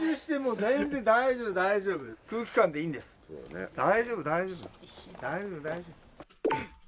大丈夫大丈夫。